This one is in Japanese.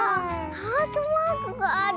ハートマークがある。